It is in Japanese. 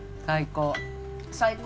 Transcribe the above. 最高！